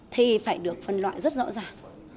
thì phải được phân loại rất rõ ràng